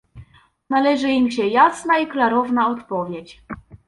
Należy im się jasna i klarowna odpowiedź